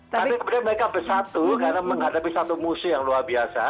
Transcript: tapi mereka bersatu karena menghadapi satu musuh yang luar biasa